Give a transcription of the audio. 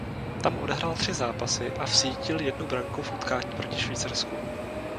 Tam odehrál tři zápasy a vsítil jednu branku v utkání proti Švýcarsku.